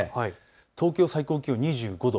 東京、最高気温２５度。